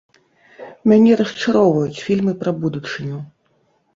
Мяне расчароўваюць фільмы пра будучыню.